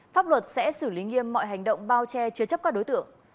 pháp luật sẽ xử lý nghiêm mọi hành động bao che chứa chấp các đối tượng